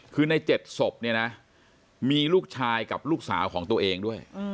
คือใน๗ศพเนี่ยนะมีลูกชายกับลูกสาวของตัวเองด้วย